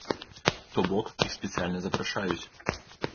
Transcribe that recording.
То бок, іх спецыяльна запрашаюць.